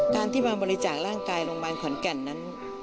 การที่มาบริจาคร่างกายโรงพยาบาลขอนแก่นนั้น